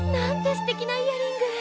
すてきなイヤリング！